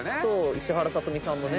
石原さとみさんのね。